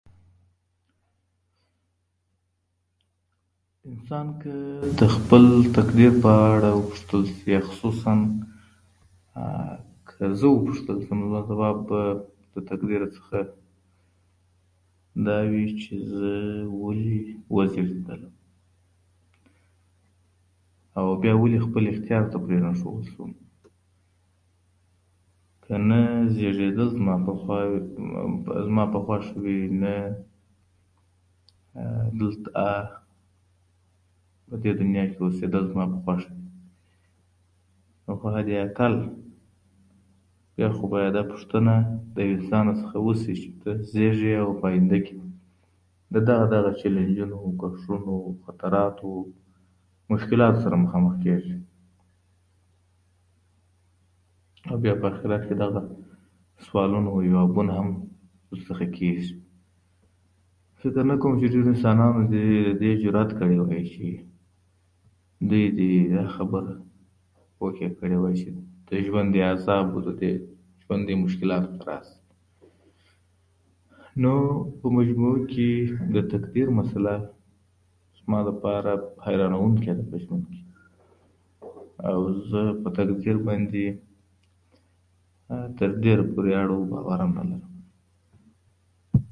انسان که د خپل تقدیر په اړه وپوښتل شي، خصوصا که زه وپوښتل شم، نو به زه له تقدیر څخه دا وای چې زه ولې وزېږېدم، او بیا ولې خپل اختیار ته پرېنښودل شوم؟ که نه زېږېدل زما په خوښه وي، او نه په دې دنیا کې اوسېدل زما په خوښه وي، نو حداقل بیا خو باید دا پوښتنه له انسانه څخه وشي چې زېږي، نو راتلونکي کې له دغه دغه چیلینجونو، خطراتو او مشکلاتو سره مخامخ کېږي، او بیا په اخره کې د دغه سوالونو جوابونه هم ورڅخه کېږي. فکر نه کوم چې ډېرو انسانانو د دې جرئت کړی وای چې دوی دې د هغه خبره اوکې کړې وای، چې ژوند دې له عذاب او مشکلاتو سره راشي. نو په مجموع کې د تقدیر مسله زما لپاره حیرانوونکې ده په ژوند کې، او زه په تقدیر باندې تر ډېره پورې اړه او باور هم نه لرم.